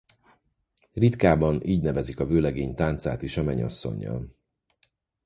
Ritkábban így nevezik a vőlegény táncát is a menyasszonnyal.